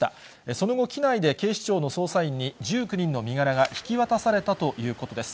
その後、機内で警視庁の捜査員に１９人の身柄が引き渡されたということです。